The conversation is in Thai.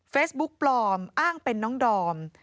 เฟซบุ๊กปลอมอ้างเป็นน้องดอม